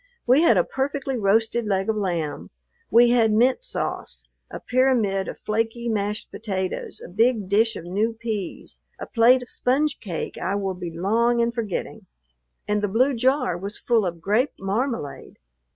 We had a perfectly roasted leg of lamb; we had mint sauce, a pyramid of flaky mashed potatoes, a big dish of new peas, a plate of sponge cake I will be long in forgetting; and the blue jar was full of grape marmalade.